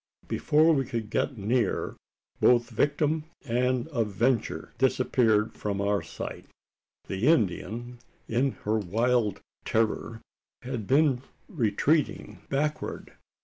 Before we could get near, both victim and avenger disappeared from our sight! The Indian in her wild terror had been retreating backward.